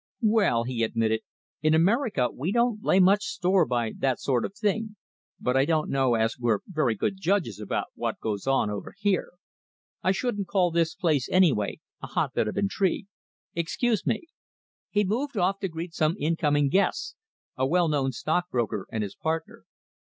"Well," he admitted, "in America we don't lay much store by that sort of thing, but I don't know as we're very good judges about what goes on over here. I shouldn't call this place, anyway, a hotbed of intrigue. Excuse me!" He moved off to greet some incoming guests a well known stockbroker and his partner.